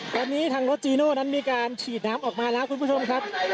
ตอนนี้ทางรถจีโน่นั้นมีการฉีดน้ำออกมาแล้วคุณผู้ชมครับ